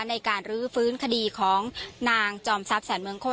ในการรื้อฟื้นคดีของนางจอมซัาฟสี่แล้ว